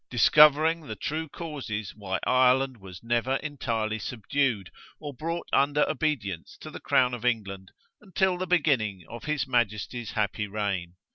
Discovering the true causes why Ireland was never entirely subdued, or brought under obedience to the crown of England, until the beginning of his Majesty's happy reign.